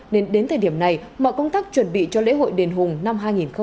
nên đến thời điểm này mọi công tác chuẩn bị cho lễ hội đền hùng năm hai nghìn hai mươi